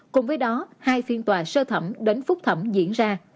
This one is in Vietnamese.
cùng với đó hai phiên tòa sơ thẩm đến phúc thẩm diễn ra